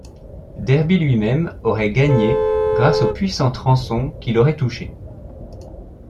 Derby lui-même aurait gagné grâce aux puissantes rançons qu’il aurait touchées.